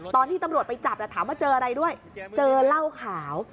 ตอนที่ตำรวจไปจับถามว่าเจออะไรด้วยเจอเหล้าขาว